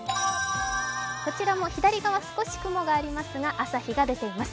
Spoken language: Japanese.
こちらも左側、少し雲がありますが朝日が出ています。